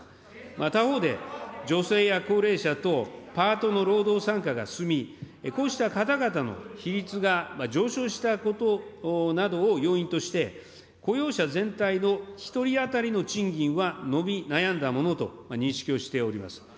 他方で、女性や高齢者等、パートの労働参加が進み、こうした方々の比率が上昇したことなどを要因として、雇用者全体の１人当たりの賃金は伸び悩んだものと認識をしております。